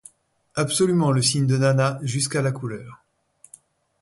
Absolument le signe de Nana, jusqu'à la couleur.